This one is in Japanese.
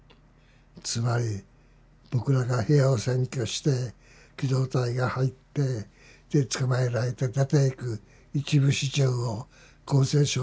つまり僕らが部屋を占拠して機動隊が入って捕まえられて出ていく一部始終を厚生省の職員見てるでしょう。